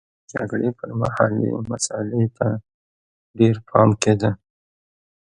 د جګړې پرمهال دې مسئلې ته ډېر پام کېده